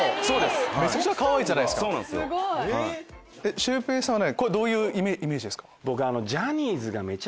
シュウペイさんはどういうイメージですか？